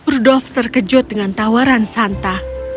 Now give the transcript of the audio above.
rudolf terkejut dengan tawaran santa